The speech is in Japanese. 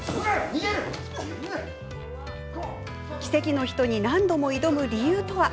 「奇跡の人」に何度も挑む理由とは。